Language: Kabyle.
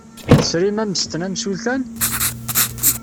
Tesrim ammesten amsultan?